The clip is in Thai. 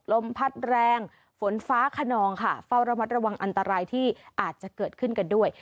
ลมพัดแรงฝนฟ้าขนองค่ะเฝ้าระมัดระวังอันตรายที่อาจจะเกิดขึ้นกันด้วย